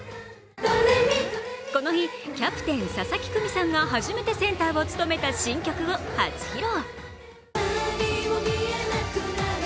この日、キャプテン・佐々木久美さんが初めてセンターを務めた新曲を初披露。